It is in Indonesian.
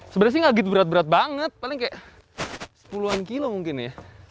sebenarnya sih nggak gitu berat berat banget paling kayak sepuluhan kilo mungkin ya